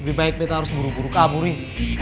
lebih baik kita harus buru buru kaburin